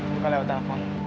jangan lewat telfon